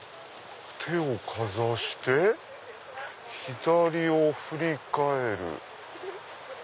手をかざして左を振り返る。